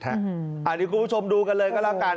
เดี๋ยวคุณผู้ชมดูกันเลยก็แล้วกัน